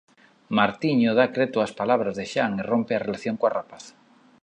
Martiño dá creto ás palabras de Xan e rompe a relación coa rapaza.